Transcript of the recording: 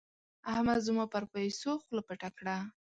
احمد زما پر پيسو خوله پټه کړه.